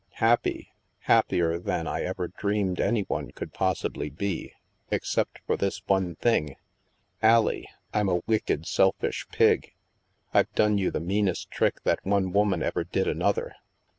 " Happy ? Happier than I ever dreamed any one could possibly be, except for this, one thing. Allie, I'm a wicked, selfish pig. I've done you the meanest trick that one woman ever did another."